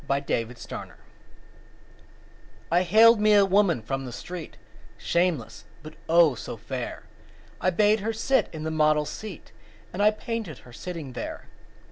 My Madonna I haled me a woman from the street, Shameless, but, oh, so fair! I bade her sit in the model's seat And I painted her sitting there.